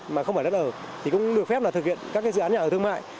mà không phải đất ở thì cũng được phép là thực hiện các dự án nhà ở thương mại